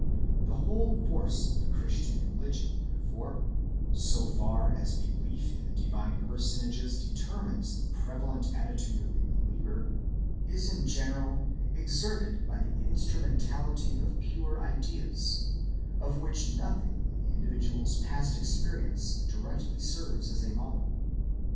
The whole force of the Christian religion, therefore, so far as belief in the divine personages determines the prevalent attitude of the believer, is in general exerted by the instrumentality of pure ideas, of which nothing in the individual's past experience directly serves as a model.